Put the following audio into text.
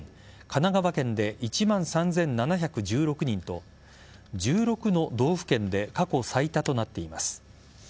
神奈川県で１万３７１６人と１６の道府県で過去最多となっています。